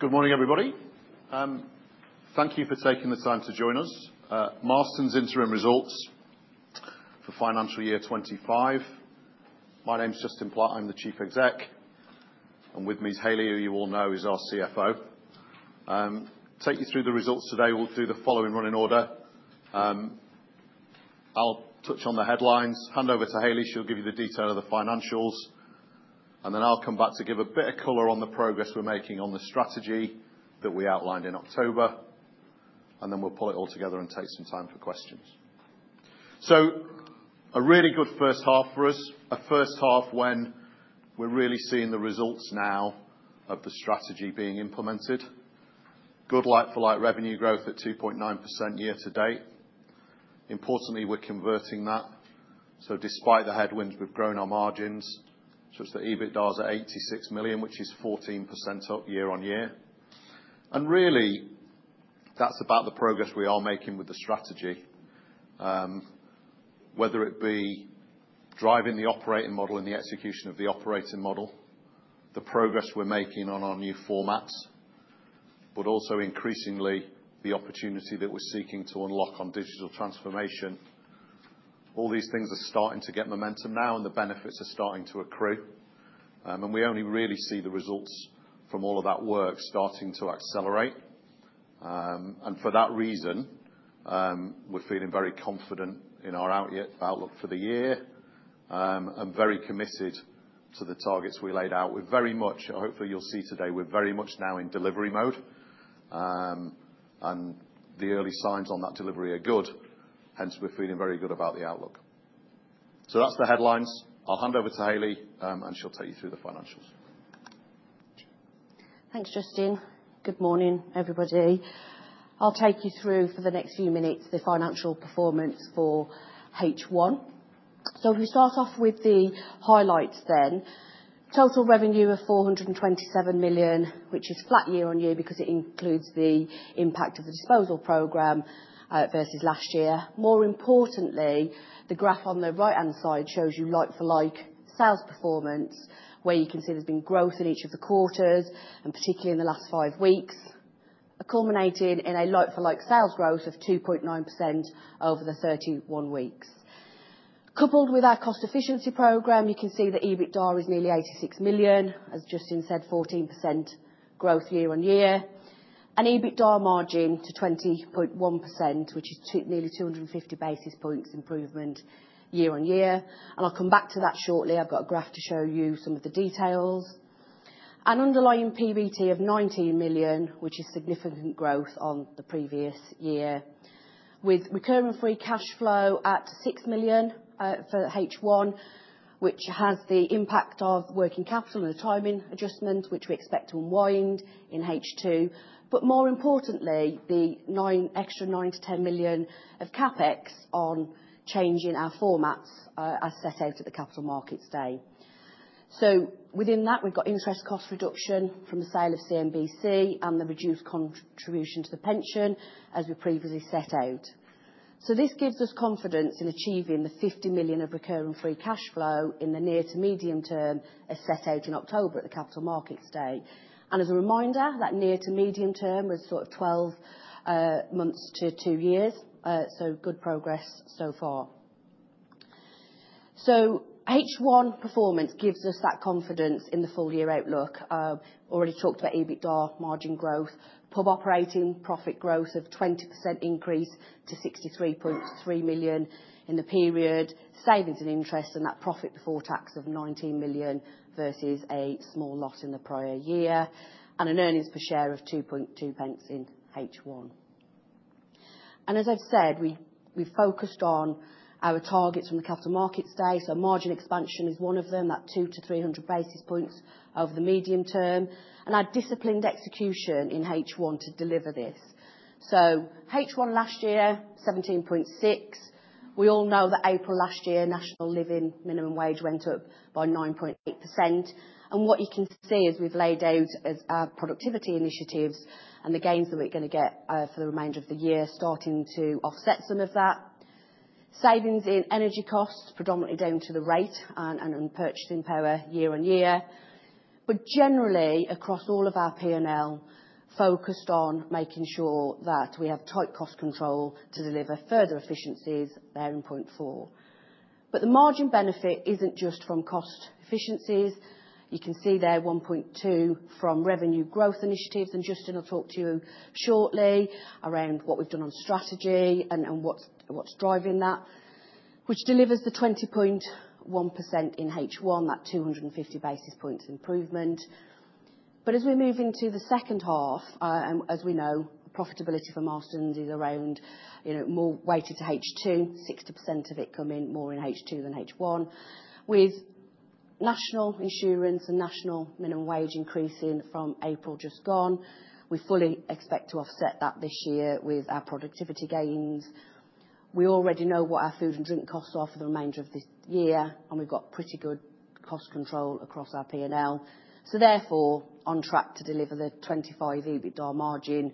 Good morning, everybody. Thank you for taking the time to join us. Marston's Interim Results for financial year 2025. My name's Justin Platt, I'm the Chief Exec, and with me is Hayleigh, who you all know is our CFO. Take you through the results today. We'll do the following running order. I'll touch on the headlines, hand over to Hayleigh, she'll give you the detail of the financials, and then I'll come back to give a bit of color on the progress we're making on the strategy that we outlined in October, and then we'll pull it all together and take some time for questions. A really good first half for us, a first half when we're really seeing the results now of the strategy being implemented. Good like-for-like revenue growth at 2.9% year to date. Importantly, we're converting that, so despite the headwinds, we've grown our margins, such that EBITDA is at 86 million, which is 14% up year-on-year. Really, that's about the progress we are making with the strategy, whether it be driving the operating model and the execution of the operating model, the progress we're making on our new formats, but also increasingly the opportunity that we're seeking to unlock on digital transformation. All these things are starting to get momentum now, and the benefits are starting to accrue, and we only really see the results from all of that work starting to accelerate. For that reason, we're feeling very confident in our outlook for the year and very committed to the targets we laid out. We're very much—hopefully you'll see today—we're very much now in delivery mode, and the early signs on that delivery are good, hence we're feeling very good about the outlook. That's the headlines. I'll hand over to Hayleigh, and she'll take you through the financials. Thanks, Justin. Good morning, everybody. I'll take you through for the next few minutes the financial performance for H1. If we start off with the highlights then, total revenue of 427 million, which is flat year on year because it includes the impact of the disposal program versus last year. More importantly, the graph on the right-hand side shows you like-for-like sales performance, where you can see there's been growth in each of the quarters, and particularly in the last five weeks, culminating in a like-for-like sales growth of 2.9% over the 31 weeks. Coupled with our cost efficiency program, you can see that EBITDA is nearly 86 million, as Justin said, 14% growth year-on-year, and EBITDA margin to 20.1%, which is nearly 250 basis points improvement year-on-year. I'll come back to that shortly. I've got a graph to show you some of the details. An underlying PBT of 19 million, which is significant growth on the previous year, with recurring free cash flow at 6 million for H1, which has the impact of working capital and the timing adjustment, which we expect to unwind in H2. More importantly, the extra 9-10 million of CapEx on changing our formats, as set out at the capital markets day. Within that, we've got interest cost reduction from the sale of Carlsberg Marston's Brewing Company and the reduced contribution to the pension, as we previously set out. This gives us confidence in achieving the 50 million of recurring free cash flow in the near to medium term, as set out in October at the capital markets day. As a reminder, that near to medium term was sort of 12 months to 2 years, so good progress so far. H1 performance gives us that confidence in the full year outlook. I already talked about EBITDA, margin growth, pub operating profit growth of 20% increase to 63.3 million in the period, savings and interest, and that profit before tax of 19 million versus a small loss in the prior year, and an earnings per share of 2.2 pence in H1. As I've said, we've focused on our targets from the capital markets day, so margin expansion is one of them, that 200-300 basis points over the medium term, and our disciplined execution in H1 to deliver this. H1 last year, 17.6. We all know that April last year, national living minimum wage went up by 9.8%. What you can see is we've laid out our productivity initiatives and the gains that we're going to get for the remainder of the year, starting to offset some of that. Savings in energy costs, predominantly down to the rate and purchasing power year on year. Generally, across all of our P&L, focused on making sure that we have tight cost control to deliver further efficiencies there in point four. The margin benefit is not just from cost efficiencies. You can see there 1.2 from revenue growth initiatives, and Justin will talk to you shortly around what we've done on strategy and what's driving that, which delivers the 20.1% in H1, that 250 basis points improvement. As we move into the second half, as we know, profitability for Marston's is around more weighted to H2, 60% of it coming more in H2 than H1, with national insurance and national minimum wage increasing from April just gone. We fully expect to offset that this year with our productivity gains. We already know what our food and drink costs are for the remainder of this year, and we've got pretty good cost control across our P&L. Therefore, on track to deliver the 25% EBITDA margin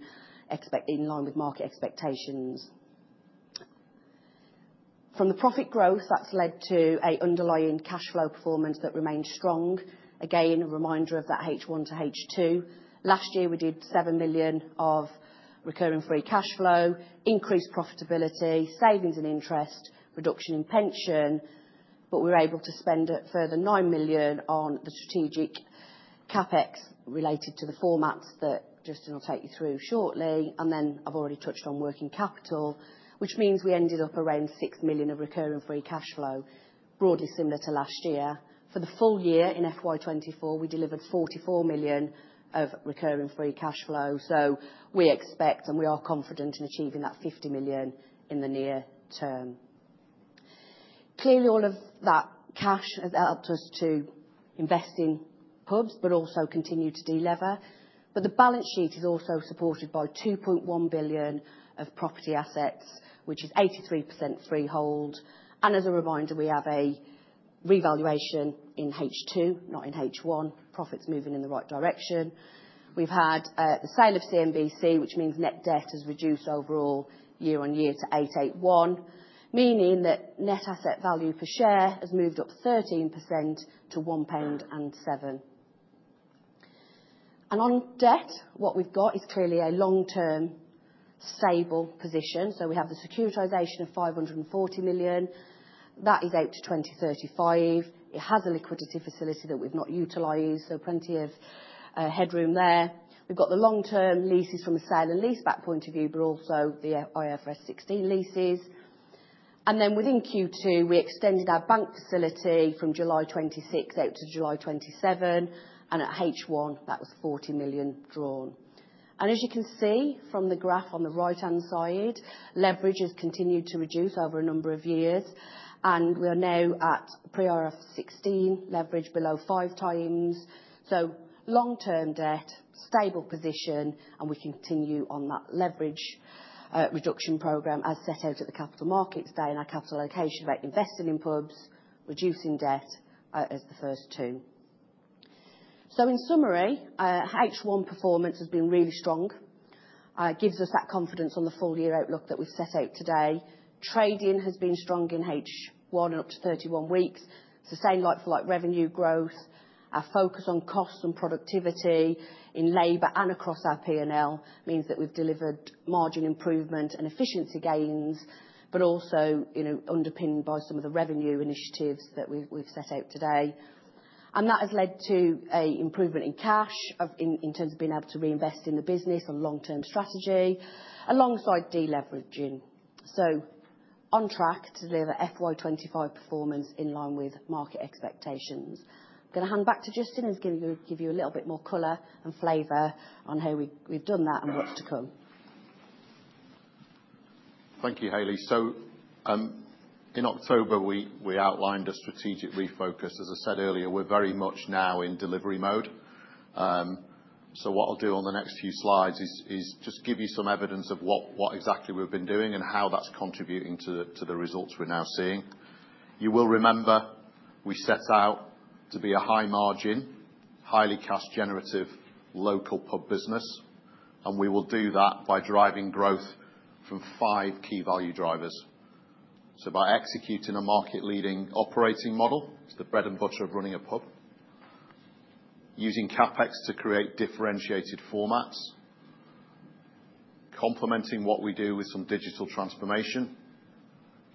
in line with market expectations. From the profit growth, that's led to an underlying cash flow performance that remains strong. Again, a reminder of that H1 to H2. Last year, we did 7 million of recurring free cash flow, increased profitability, savings and interest, reduction in pension, but we were able to spend a further 9 million on the strategic CapEx related to the formats that Justin will take you through shortly. I have already touched on working capital, which means we ended up around 6 million of recurring free cash flow, broadly similar to last year. For the full year in FY2024, we delivered 44 million of recurring free cash flow, so we expect and we are confident in achieving that 50 million in the near term. Clearly, all of that cash has helped us to invest in pubs, also continue to deliver. The balance sheet is also supported by 2.1 billion of property assets, which is 83% freehold. As a reminder, we have a revaluation in H2, not in H1. Profit's moving in the right direction. We've had the sale of Carlsberg Marston's Brewing Company, which means net debt has reduced overall year on year to 881 million, meaning that net asset value per share has moved up 13% to 1.07 pound. On debt, what we've got is clearly a long-term stable position. We have the securitization of 540 million. That is out to 2035. It has a liquidity facility that we've not utilized, so plenty of headroom there. We've got the long-term leases from a sale and lease-back point of view, but also the IFRS 16 leases. Within Q2, we extended our bank facility from July 2026 out to July 2027, and at H1, that was 40 million drawn. As you can see from the graph on the right-hand side, leverage has continued to reduce over a number of years, and we are now at IFRS 16, leverage below five times. Long-term debt, stable position, and we continue on that leverage reduction program as set out at the capital markets day and our capital allocation about investing in pubs, reducing debt as the first two. In summary, H1 performance has been really strong. It gives us that confidence on the full year outlook that we've set out today. Trading has been strong in H1 and up to 31 weeks. Sustained like-for-like revenue growth, our focus on cost and productivity in labor and across our P&L means that we've delivered margin improvement and efficiency gains, but also underpinned by some of the revenue initiatives that we've set out today. That has led to an improvement in cash in terms of being able to reinvest in the business on long-term strategy alongside deleveraging. On track to deliver FY2025 performance in line with market expectations. I'm going to hand back to Justin and he's going to give you a little bit more color and flavor on how we've done that and what's to come. Thank you, Hayleigh. In October, we outlined a strategic refocus. As I said earlier, we're very much now in delivery mode. What I'll do on the next few slides is just give you some evidence of what exactly we've been doing and how that's contributing to the results we're now seeing. You will remember we set out to be a high-margin, highly cash-generative local pub business, and we will do that by driving growth from five key value drivers. By executing a market-leading operating model—it's the bread and butter of running a pub—using CapEx to create differentiated formats, complementing what we do with some digital transformation,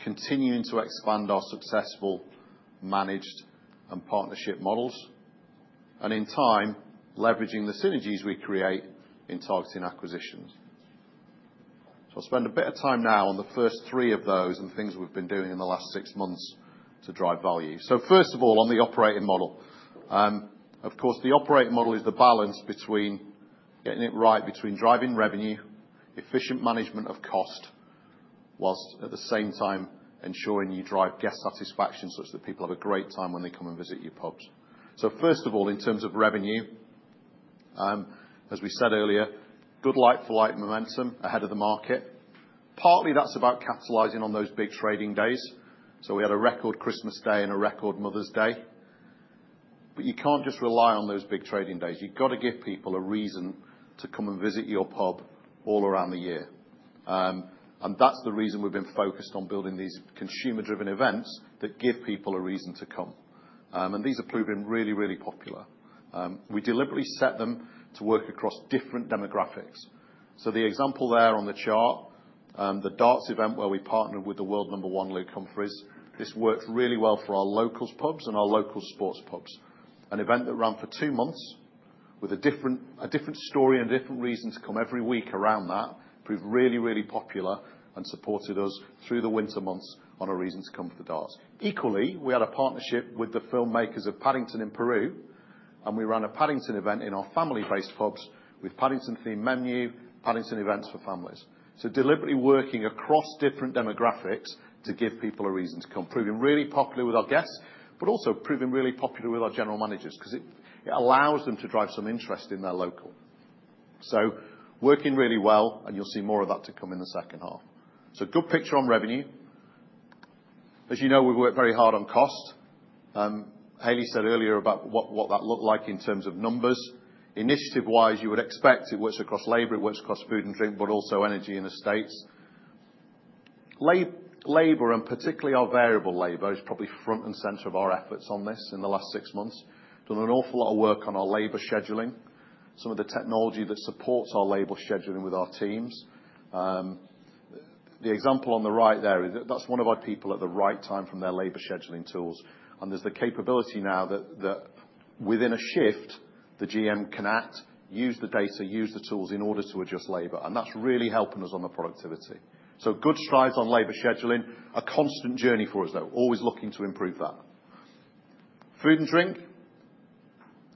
continuing to expand our successful managed and partnership models, and in time, leveraging the synergies we create in targeting acquisitions. I'll spend a bit of time now on the first three of those and things we've been doing in the last six months to drive value. First of all, on the operating model. Of course, the operating model is the balance between getting it right, between driving revenue, efficient management of cost, whilst at the same time ensuring you drive guest satisfaction such that people have a great time when they come and visit your pubs. First of all, in terms of revenue, as we said earlier, good like-for-like momentum ahead of the market. Partly, that's about capitalizing on those big trading days. We had a record Christmas Day and a record Mother's Day. You can't just rely on those big trading days. You've got to give people a reason to come and visit your pub all around the year. That is the reason we have been focused on building these consumer-driven events that give people a reason to come. These have proven really, really popular. We deliberately set them to work across different demographics. The example there on the chart, the Darts event where we partnered with the world number one Luke Humphries, this worked really well for our locals' pubs and our locals' sports pubs. An event that ran for two months with a different story and a different reason to come every week around that proved really, really popular and supported us through the winter months on a reason to come for the Darts. Equally, we had a partnership with the filmmakers of Paddington in Peru, and we ran a Paddington event in our family-based pubs with Paddington-themed menu, Paddington events for families. Deliberately working across different demographics to give people a reason to come, proving really popular with our guests, but also proving really popular with our general managers because it allows them to drive some interest in their local. Working really well, and you'll see more of that to come in the second half. Good picture on revenue. As you know, we've worked very hard on cost. Hayleigh said earlier about what that looked like in terms of numbers. Initiative-wise, you would expect it works across labor, it works across food and drink, but also energy and estates. Labor, and particularly our variable labor, is probably front and center of our efforts on this in the last six months. Done an awful lot of work on our labor scheduling, some of the technology that supports our labor scheduling with our teams. The example on the right there is that that's one of our people at the right time from their labor scheduling tools. There's the capability now that within a shift, the GM can act, use the data, use the tools in order to adjust labor. That's really helping us on the productivity. Good strides on labor scheduling, a constant journey for us though, always looking to improve that. Food and drink.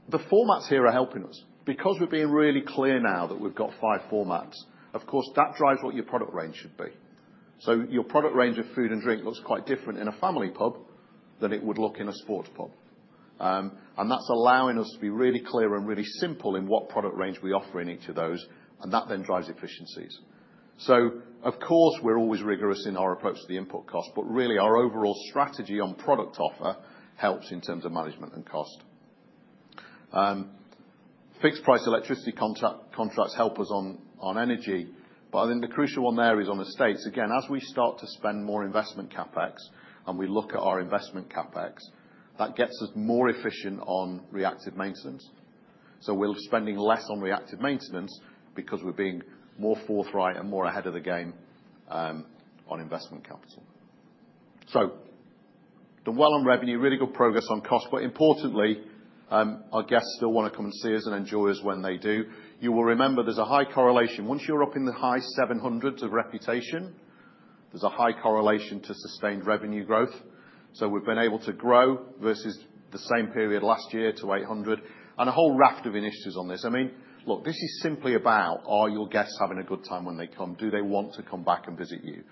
The formats here are helping us. We're being really clear now that we've got five formats, of course, that drives what your product range should be. Your product range of food and drink looks quite different in a family pub than it would look in a sports pub. That's allowing us to be really clear and really simple in what product range we offer in each of those, and that then drives efficiencies. Of course, we're always rigorous in our approach to the input cost, but really our overall strategy on product offer helps in terms of management and cost. Fixed price electricity contracts help us on energy. I think the crucial one there is on estates. Again, as we start to spend more investment CapEx and we look at our investment CapEx, that gets us more efficient on reactive maintenance. We're spending less on reactive maintenance because we're being more forthright and more ahead of the game on investment capital. Done well on revenue, really good progress on cost, but importantly, our guests still want to come and see us and enjoy us when they do. You will remember there's a high correlation. Once you're up in the high 700s of reputation, there's a high correlation to sustained revenue growth. We have been able to grow versus the same period last year to 800. A whole raft of initiatives on this. I mean, look, this is simply about are your guests having a good time when they come? Do they want to come back and visit you?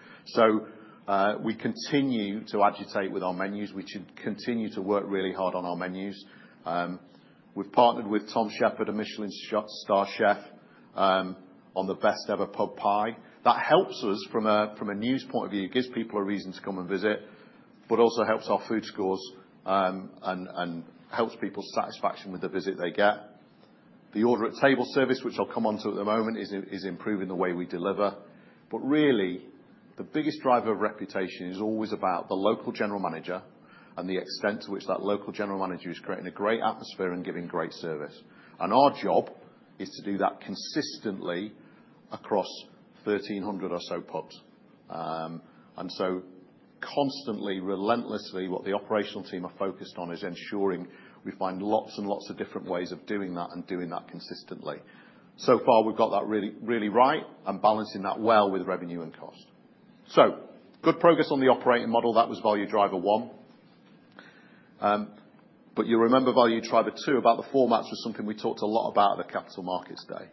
We continue to agitate with our menus. We should continue to work really hard on our menus. We have partnered with Tom Shepherd, a Michelin star chef, on the best-ever pub pie. That helps us from a news point of view. It gives people a reason to come and visit, but also helps our food scores and helps people's satisfaction with the visit they get. The order-at-table service, which I will come on to at the moment, is improving the way we deliver. Really, the biggest driver of reputation is always about the local general manager and the extent to which that local general manager is creating a great atmosphere and giving great service. Our job is to do that consistently across 1,300 or so pubs. Constantly, relentlessly, what the operational team are focused on is ensuring we find lots and lots of different ways of doing that and doing that consistently. So far, we've got that really right and balancing that well with revenue and cost. Good progress on the operating model. That was value driver one. You'll remember value driver two, about the formats, was something we talked a lot about at the capital markets day.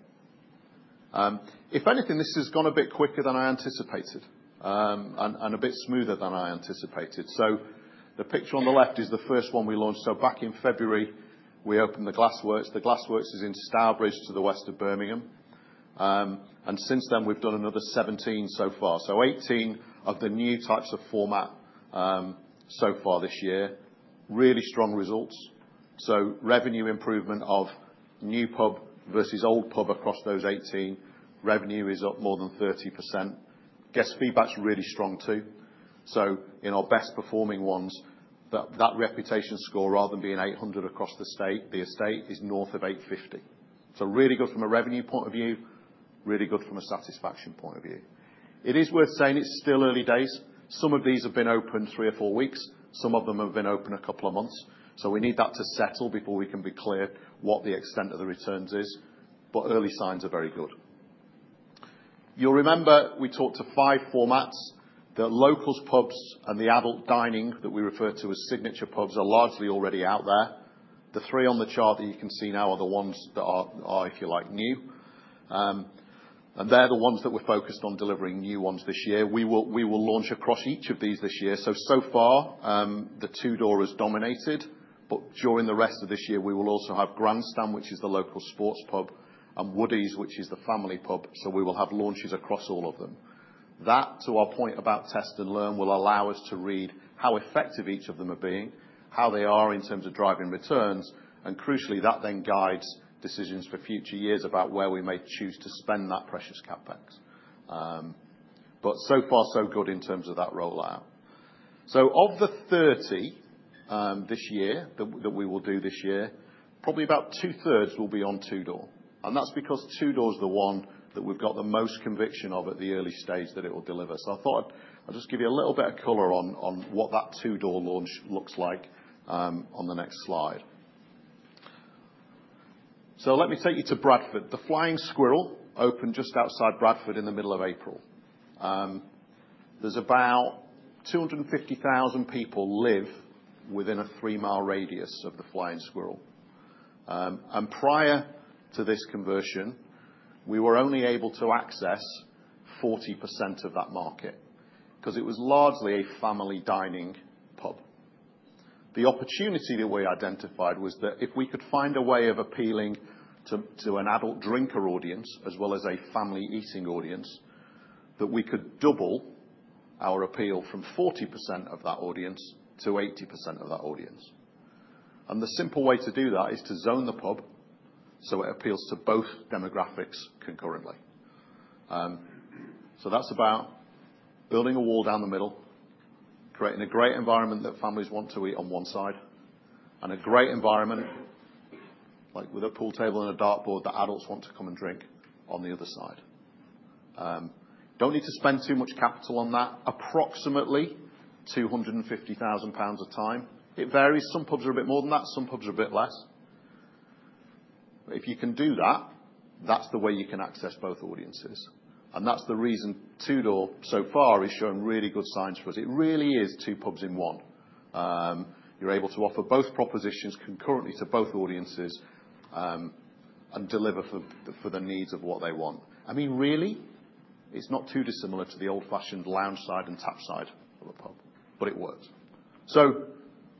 If anything, this has gone a bit quicker than I anticipated and a bit smoother than I anticipated. The picture on the left is the first one we launched. Back in February, we opened The Glassworks. The Glassworks is in Stourbridge to the west of Birmingham. Since then, we've done another 17 so far. Eighteen of the new types of format so far this year. Really strong results. Revenue improvement of new pub versus old pub across those 18. Revenue is up more than 30%. Guest feedback's really strong too. In our best-performing ones, that reputation score, rather than being 800 across the estate, is north of 850. Really good from a revenue point of view, really good from a satisfaction point of view. It is worth saying it's still early days. Some of these have been open three or four weeks. Some of them have been open a couple of months. We need that to settle before we can be clear what the extent of the returns is. Early signs are very good. You'll remember we talked to five formats. The locals' pubs and the adult dining that we refer to as signature pubs are largely already out there. The three on the chart that you can see now are the ones that are, if you like, new. They're the ones that we're focused on delivering new ones this year. We will launch across each of these this year. So far, the Tudor has dominated, but during the rest of this year, we will also have Grandstand, which is the local sports pub, and Woodies, which is the family pub. We will have launches across all of them. That, to our point about test and learn, will allow us to read how effective each of them are being, how they are in terms of driving returns, and crucially, that then guides decisions for future years about where we may choose to spend that precious CapEx. So far, so good in terms of that rollout. Of the 30 this year that we will do this year, probably about two-thirds will be on Tudor. That's because Tudor's the one that we've got the most conviction of at the early stage that it will deliver. I thought I'd just give you a little bit of color on what that Tudor launch looks like on the next slide. Let me take you to Bradford. The Flying Squirrel opened just outside Bradford in the middle of April. There's about 250,000 people live within a three-mile radius of The Flying Squirrel. Prior to this conversion, we were only able to access 40% of that market because it was largely a family dining pub. The opportunity that we identified was that if we could find a way of appealing to an adult drinker audience as well as a family eating audience, we could double our appeal from 40% of that audience to 80% of that audience. The simple way to do that is to zone the pub so it appeals to both demographics concurrently. That is about building a wall down the middle, creating a great environment that families want to eat on one side, and a great environment with a pool table and a dartboard that adults want to come and drink on the other side. Do not need to spend too much capital on that. Approximately 250,000 pounds a time. It varies. Some pubs are a bit more than that. Some pubs are a bit less. If you can do that, that's the way you can access both audiences. That's the reason Tudor so far is showing really good signs for us. It really is two pubs in one. You're able to offer both propositions concurrently to both audiences and deliver for the needs of what they want. I mean, really, it's not too dissimilar to the old-fashioned lounge side and tap side of a pub, but it works.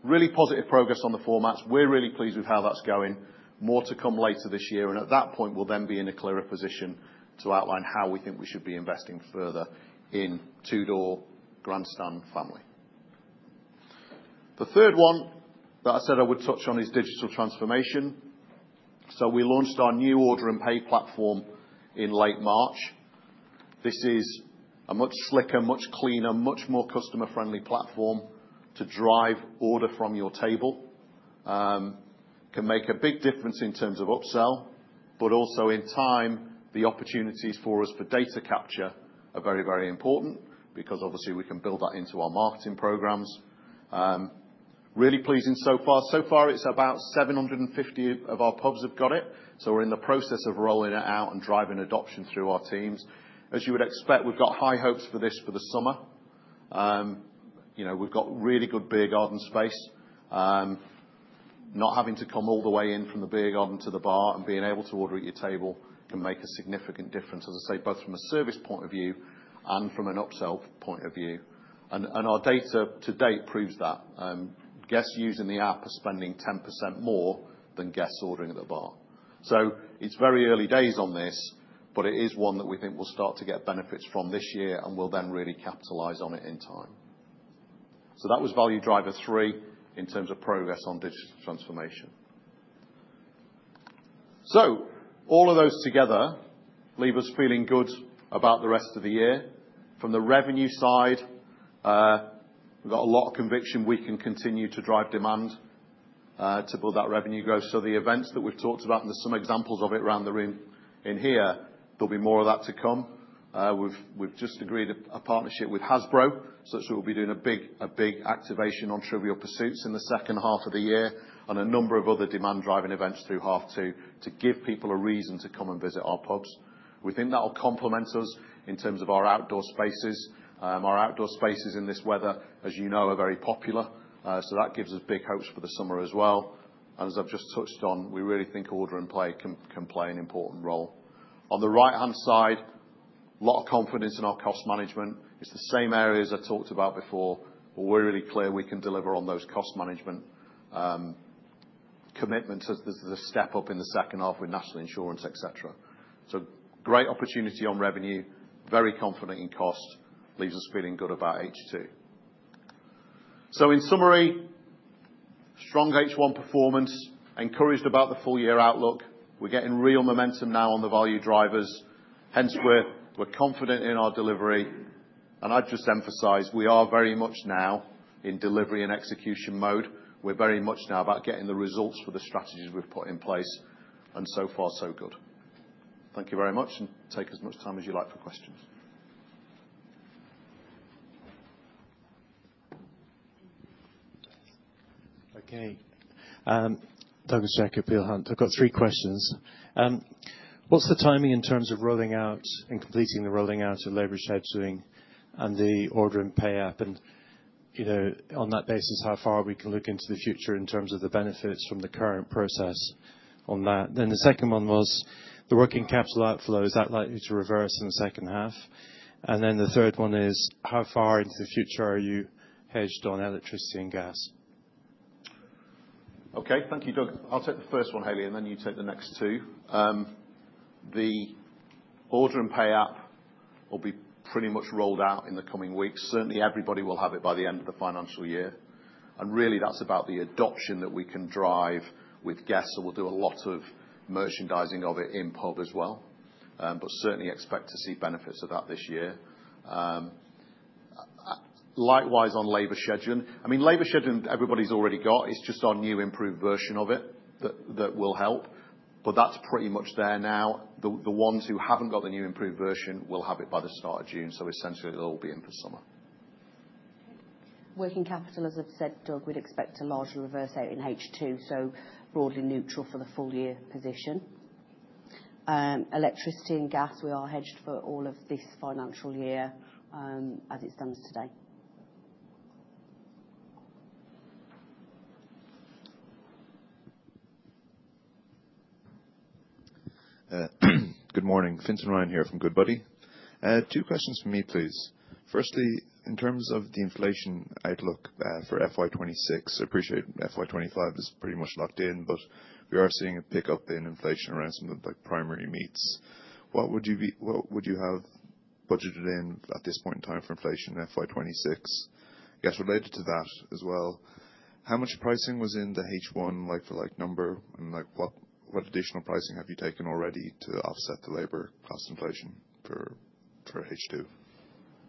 Really positive progress on the formats. We're really pleased with how that's going. More to come later this year. At that point, we'll then be in a clearer position to outline how we think we should be investing further in Tudor, Grandstand, family. The third one that I said I would touch on is digital transformation. We launched our new Order and Pay App in late March. This is a much slicker, much cleaner, much more customer-friendly platform to drive order from your table. Can make a big difference in terms of upsell, but also in time, the opportunities for us for data capture are very, very important because obviously, we can build that into our marketing programs. Really pleasing so far. So far, it's about 750 of our pubs have got it. We are in the process of rolling it out and driving adoption through our teams. As you would expect, we've got high hopes for this for the summer. We've got really good beer garden space. Not having to come all the way in from the beer garden to the bar and being able to order at your table can make a significant difference, as I say, both from a service point of view and from an upsell point of view. Our data to date proves that. Guests using the app are spending 10% more than guests ordering at the bar. It is very early days on this, but it is one that we think we will start to get benefits from this year and we will then really capitalize on it in time. That was value driver three in terms of progress on digital transformation. All of those together leave us feeling good about the rest of the year. From the revenue side, we have a lot of conviction we can continue to drive demand to build that revenue growth. The events that we've talked about, and there's some examples of it around the room in here, there'll be more of that to come. We've just agreed a partnership with Hasbro such that we'll be doing a big activation on Trivial Pursuit in the second half of the year and a number of other demand-driving events through half two to give people a reason to come and visit our pubs. We think that'll complement us in terms of our outdoor spaces. Our outdoor spaces in this weather, as you know, are very popular. That gives us big hopes for the summer as well. As I've just touched on, we really think Order and Pay can play an important role. On the right-hand side, a lot of confidence in our cost management. It's the same areas I talked about before, but we're really clear we can deliver on those cost management commitments as there's a step up in the second half with national insurance, etc. Great opportunity on revenue, very confident in cost, leaves us feeling good about H2. In summary, strong H1 performance, encouraged about the full-year outlook. We're getting real momentum now on the value drivers. Hence, we're confident in our delivery. I'd just emphasize, we are very much now in delivery and execution mode. We're very much now about getting the results for the strategies we've put in place. So far, so good. Thank you very much, and take as much time as you like for questions. Okay. Douglas Jack, Peel Hunt. I've got three questions. What's the timing in terms of rolling out and completing the rolling out of labor shadowing and the Order and Pay App? On that basis, how far we can look into the future in terms of the benefits from the current process on that? The second one was the working capital outflow. Is that likely to reverse in the second half? The third one is how far into the future are you hedged on electricity and gas? Okay. Thank you, Doug. I'll take the first one, Hayleigh, and then you take the next two. The Order and Pay App will be pretty much rolled out in the coming weeks. Certainly, everybody will have it by the end of the financial year. Really, that's about the adoption that we can drive with guests. We'll do a lot of merchandising of it in pub as well, but certainly expect to see benefits of that this year. Likewise on labor scheduling. I mean, labor scheduling, everybody's already got. It's just our new improved version of it that will help. That's pretty much there now. The ones who haven't got the new improved version will have it by the start of June. Essentially, it'll all be in for summer. Working capital, as I've said, Doug, we'd expect to largely reverse out in H2, so broadly neutral for the full-year position. Electricity and gas, we are hedged for all of this financial year as it stands today. Good morning. Fintan Ryan here from Goodbody. Two questions for me, please. Firstly, in terms of the inflation outlook for FY2026, I appreciate FY2025 is pretty much locked in, but we are seeing a pickup in inflation around some of the primary meats. What would you have budgeted in at this point in time for inflation in FY2026? I guess related to that as well, how much pricing was in the H1 like-for-like number, and what additional pricing have you taken already to offset the labor cost inflation for H2?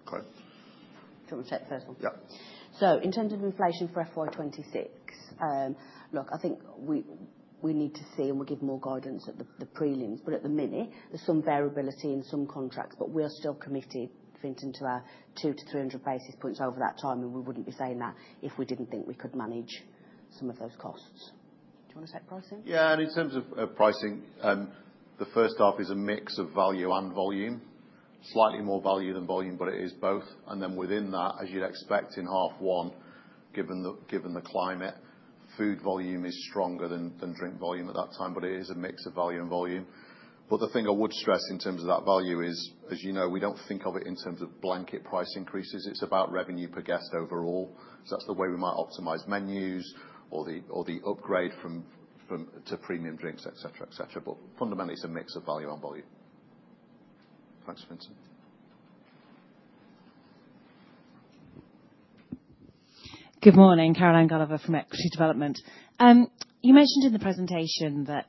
Can we take the first one? Yeah. In terms of inflation for FY2026, look, I think we need to see and we'll give more guidance at the prelims. At the minute, there's some variability in some contracts, but we are still committed, Vincent, to our 200-300 basis points over that time, and we wouldn't be saying that if we didn't think we could manage some of those costs. Do you want to take pricing? Yeah. In terms of pricing, the first half is a mix of value and volume. Slightly more value than volume, but it is both. Within that, as you'd expect in half one, given the climate, food volume is stronger than drink volume at that time, but it is a mix of value and volume. The thing I would stress in terms of that value is, as you know, we do not think of it in terms of blanket price increases. It is about revenue per guest overall. That is the way we might optimize menus or the upgrade to premium drinks, etc., etc. Fundamentally, it is a mix of value and volume. Thanks, Vincent. Good morning. Caroline Gulliver from Equity Development. You mentioned in the presentation that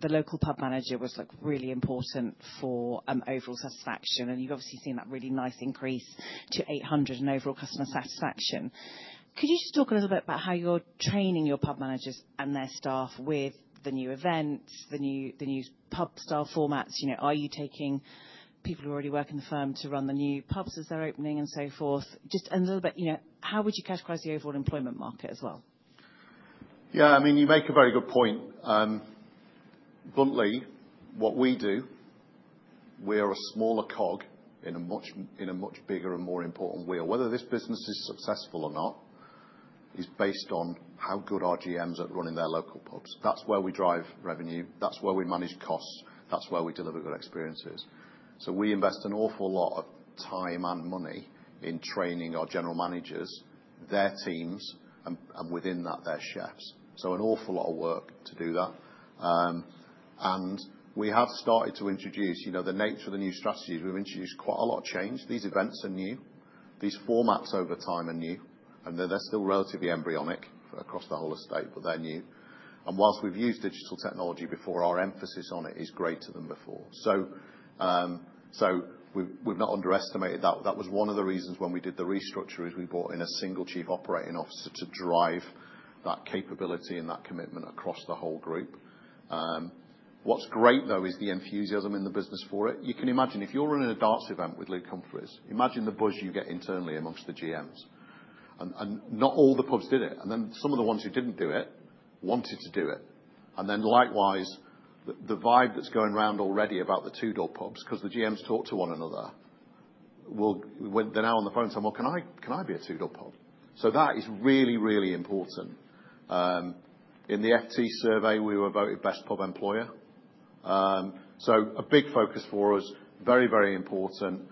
the local pub manager was really important for overall satisfaction, and you've obviously seen that really nice increase to 800 in overall customer satisfaction. Could you just talk a little bit about how you're training your pub managers and their staff with the new events, the new pub-style formats? Are you taking people who already work in the firm to run the new pubs as they're opening and so forth? Just a little bit, how would you categorize the overall employment market as well? Yeah. I mean, you make a very good point. Bluntly, what we do, we are a smaller cog in a much bigger and more important wheel. Whether this business is successful or not is based on how good our GMs are at running their local pubs. That's where we drive revenue. That's where we manage costs. That's where we deliver good experiences. We invest an awful lot of time and money in training our general managers, their teams, and within that, their chefs. An awful lot of work to do that. We have started to introduce the nature of the new strategies. We've introduced quite a lot of change. These events are new. These formats over time are new. They're still relatively embryonic across the whole estate, but they're new. Whilst we've used digital technology before, our emphasis on it is greater than before. We have not underestimated that. That was one of the reasons when we did the restructure, we brought in a single Chief Operating Officer to drive that capability and that commitment across the whole group. What's great, though, is the enthusiasm in the business for it. You can imagine if you're running a darts event with Luke Humphries, imagine the buzz you get internally amongst the GMs. Not all the pubs did it, and some of the ones who did not do it wanted to do it. Likewise, the vibe that is going around already about the Tudor pubs, because the GMs talk to one another, they are now on the phone saying, "Can I be a Tudor pub?" That is really, really important. In the FT survey, we were voted best pub employer. A big focus for us, very, very important.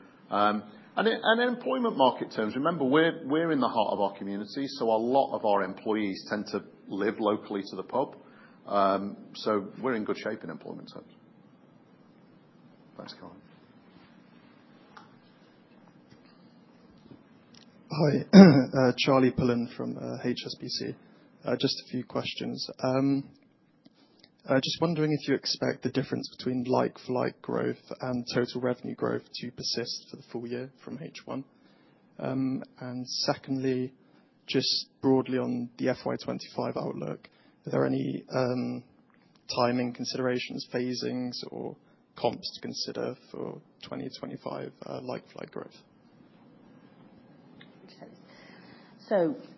In employment market terms, remember, we're in the heart of our community, so a lot of our employees tend to live locally to the pub. We're in good shape in employment terms. Thanks, Caroline. Hi. Charlie Pullan from HSBC. Just a few questions. Just wondering if you expect the difference between like-for-like growth and total revenue growth to persist for the full year from H1. Secondly, just broadly on the FY25 outlook, are there any timing considerations, phasings, or comps to consider for 2025 like-for-like growth?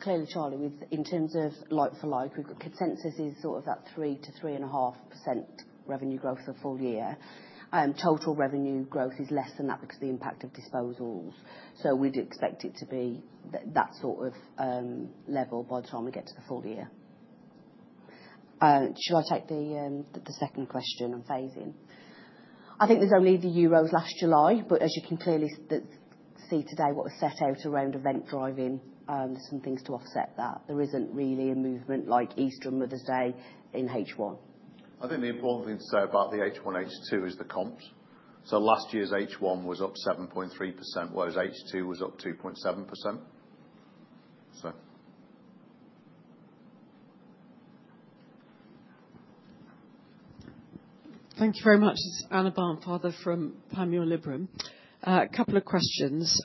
Clearly, Charlie, in terms of like-for-like, consensus is sort of that 3%-3.5% revenue growth for the full year. Total revenue growth is less than that because of the impact of disposals. We'd expect it to be that sort of level by the time we get to the full year. Shall I take the second question on phasing? I think there's only the euros last July, but as you can clearly see today, what was set out around event driving, there's some things to offset that. There isn't really a movement like Easter and Mother's Day in H1. I think the important thing to say about the H1, H2 is the comps. Last year's H1 was up 7.3%, whereas H2 was up 2.7%. Thank you very much. It's Anna Barnfather from Panmure Liberum. A couple of questions.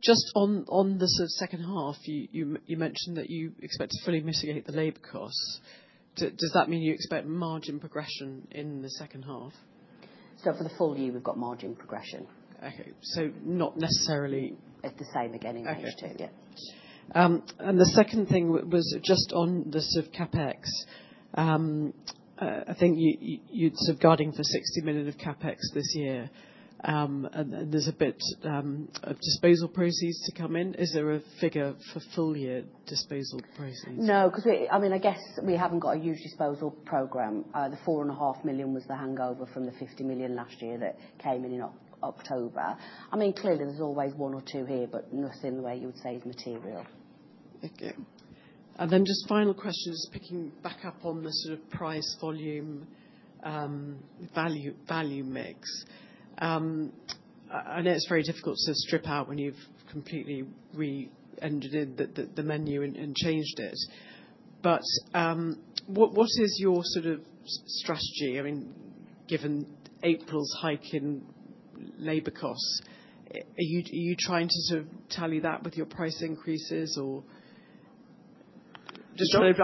Just on the second half, you mentioned that you expect to fully mitigate the labor costs. Does that mean you expect margin progression in the second half? For the full year, we've got margin progression. Okay. So not necessarily. It's the same again in H2. Yeah. The second thing was just on the CapEx. I think you're guiding for 60 million of CapEx this year. There's a bit of disposal proceeds to come in. Is there a figure for full-year disposal proceeds? No. I mean, I guess we have not got a huge disposal program. The 4.5 million was the hangover from the 50 million last year that came in October. I mean, clearly, there is always one or two here, but nothing that you would say is material. Thank you. And then just final question, just picking back up on the sort of price-volume value mix. I know it's very difficult to strip out when you've completely re-engineered the menu and changed it. But what is your sort of strategy? I mean, given April's hike in labor costs, are you trying to sort of tally that with your price increases, or?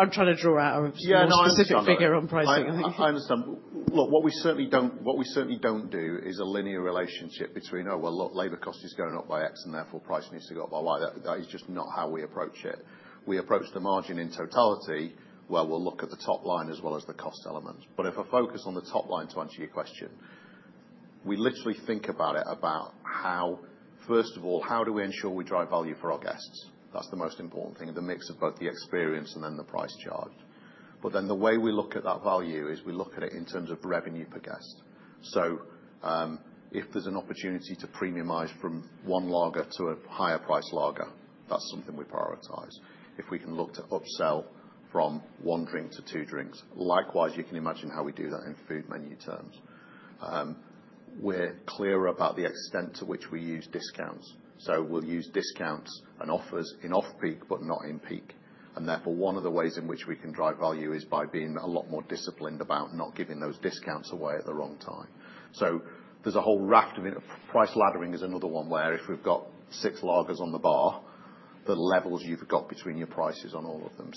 I'm trying to draw out a specific figure on pricing. I understand. Look, what we certainly do not do is a linear relationship between, "Oh, well, labor cost is going up by X, and therefore price needs to go up by Y." That is just not how we approach it. We approach the margin in totality, where we will look at the top line as well as the cost elements. If I focus on the top line to answer your question, we literally think about it about how, first of all, how do we ensure we drive value for our guests? That is the most important thing, the mix of both the experience and then the price charged. The way we look at that value is we look at it in terms of revenue per guest. If there is an opportunity to premiumize from one lager to a higher-priced lager, that is something we prioritize. If we can look to upsell from one drink to two drinks. Likewise, you can imagine how we do that in food menu terms. We are clearer about the extent to which we use discounts. We will use discounts and offers in off-peak but not in peak. Therefore, one of the ways in which we can drive value is by being a lot more disciplined about not giving those discounts away at the wrong time. There is a whole raft of price laddering, which is another one where if we have six lagers on the bar, the levels you have between your prices on all of them.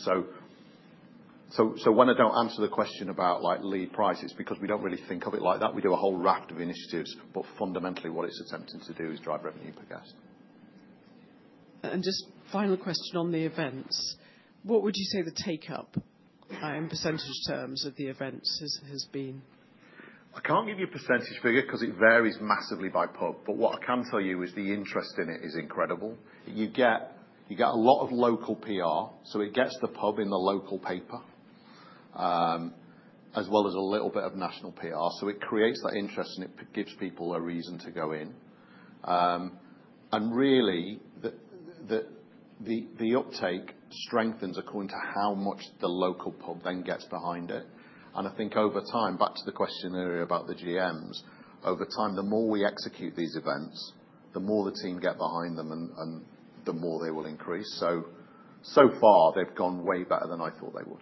When I do not answer the question about lead prices, it is because we do not really think of it like that. We do a whole raft of initiatives, but fundamentally, what it is attempting to do is drive revenue per guest. Just final question on the events. What would you say the take-up in % terms of the events has been? I can't give you a percentage figure because it varies massively by pub, but what I can tell you is the interest in it is incredible. You get a lot of local PR, so it gets the pub in the local paper, as well as a little bit of national PR. It creates that interest, and it gives people a reason to go in. Really, the uptake strengthens according to how much the local pub then gets behind it. I think over time, back to the question earlier about the GMs, over time, the more we execute these events, the more the team get behind them, and the more they will increase. So far, they've gone way better than I thought they would.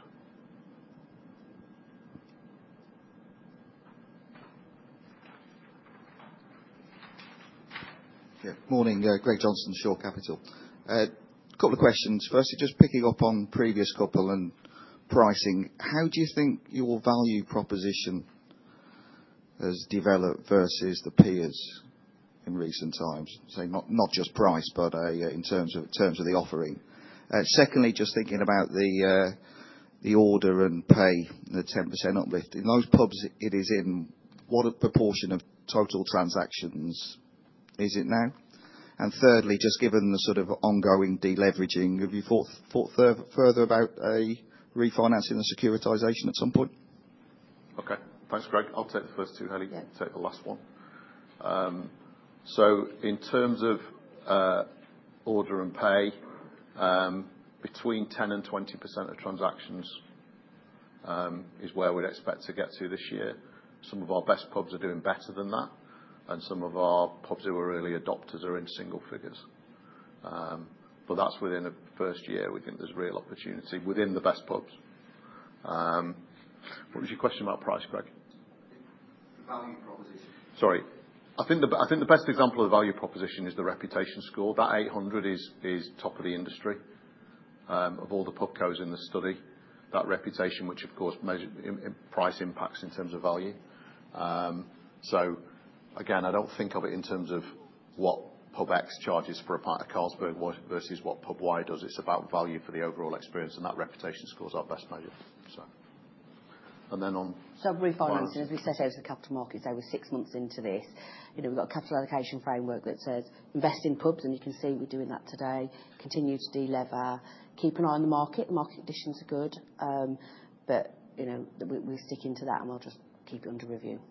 Good morning. Greg Johnson from Shore Capital. A couple of questions. Firstly, just picking up on the previous couple and pricing, how do you think your value proposition has developed versus the peers in recent times? So not just price, but in terms of the offering. Secondly, just thinking about the Order and Pay App, the 10% uplift. In those pubs, it is in what proportion of total transactions is it now? And thirdly, just given the sort of ongoing deleveraging, have you thought further about a refinancing and securitization at some point? Okay. Thanks, Greg. I'll take the first two. How do you take the last one? In terms of Order and Pay, between 10-20% of transactions is where we'd expect to get to this year. Some of our best pubs are doing better than that, and some of our pubs who were early adopters are in single figures. That's within a first year, we think there's real opportunity within the best pubs. What was your question about price, Greg? The value proposition. Sorry. I think the best example of the value proposition is the reputation score. That 800 is top of the industry of all the pubs in history. That reputation, which of course price impacts in terms of value. Again, I do not think of it in terms of what pub X charges for a pint of Carlsberg versus what pub Y does. It is about value for the overall experience, and that reputation score is our best measure. And then on. Refinancing, as we said over the capital markets, they were six months into this. We've got a capital allocation framework that says, "Invest in pubs," and you can see we're doing that today. Continue to delever. Keep an eye on the market. The market conditions are good, but we'll stick into that, and we'll just keep it under review.